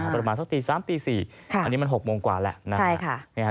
ประมาณสักตี๓ตี๔อันนี้มัน๖โมงกว่าแล้วนะ